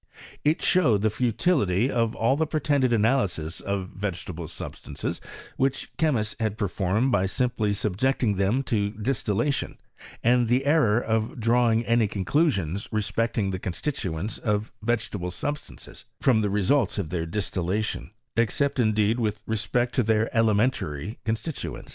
It showed the futility of all tha pretended analyses of vegetable substances, which ehemists had performed by simply subjecting thent to distillation, and the error of drawing any conclu sioas respecting the constituents of vegetable sub stances from the results of their distillation, except indeed with respect to their elementary constituent.